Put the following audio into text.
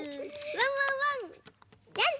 ワンワンワン！